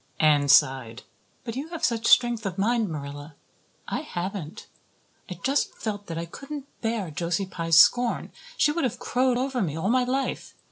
Anne sighed. "But you have such strength of mind, Marilla. I haven't. I just felt that I couldn't bear Josie Pye's scorn. She would have crowed over me all my life.